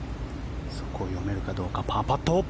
そこを読めるかどうかパーパット。